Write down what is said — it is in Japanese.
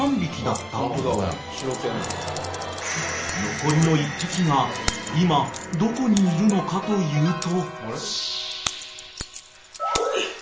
［残りの１匹が今どこにいるのかというと］